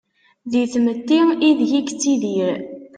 Di tmetti ideg-i yettidir.